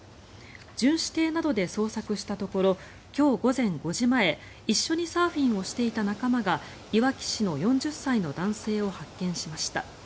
巡視艇などで捜索したところ今日午前５時前一緒にサーフィンをしていた仲間がいわき市の４０歳の男性を発見しました。